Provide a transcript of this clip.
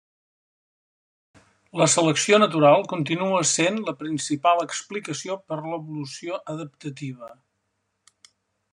La selecció natural continua sent la principal explicació per l'evolució adaptativa.